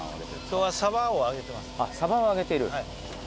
今日はサバを揚げてます。